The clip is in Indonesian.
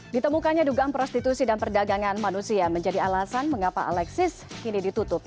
ditemukannya dugaan prostitusi dan perdagangan manusia menjadi alasan mengapa alexis kini ditutup